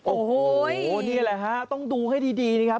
โอ้โหนี่แหละฮะต้องดูให้ดีนะครับ